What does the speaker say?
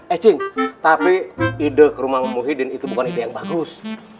eh cing tapi ide ke rumahmu hidin itu bukan ide yang bagus